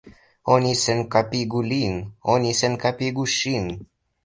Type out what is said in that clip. Oni senkapigu lin, oni senkapigu ŝin!